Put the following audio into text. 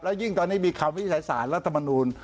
และยิ่งตอนนี้มีคำวิทยาศาสตร์และตมนุน